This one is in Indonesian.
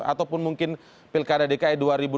ataupun mungkin pilkada dki dua ribu dua puluh